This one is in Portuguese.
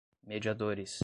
mediadores